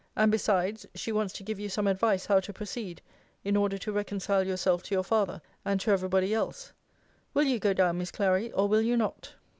And besides, she wants to give you some advice how to proceed in order to reconcile yourself to your father, and to every body else. Will you go down, Miss Clary, or will you not?